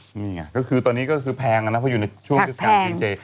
นี่ไงก็คือตอนนี้ก็คือแพงนะเพราะอยู่ในช่วงเทศกาลกินเจ